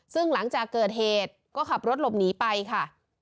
ซึ่งหลังจากเกิดเหตุก็ขับรถหลบหนีไปค่ะ